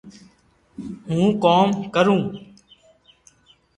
ھون ڪوم ڪرو